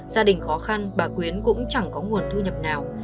gia đình khó khăn bà quyến cũng chẳng có nguồn thu nhập nào